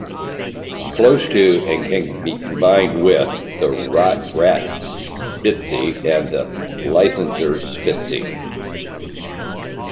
Close to, and can be combined with, the Rotgratspitze and Lisenser Spitze.